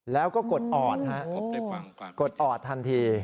แล้วก็กดออดฮะกดออดทันที